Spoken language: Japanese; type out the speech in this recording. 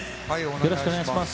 よろしくお願いします。